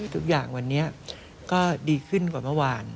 ทุกอย่างวันนี้ก็ดีขึ้นกว่าเมื่อวาน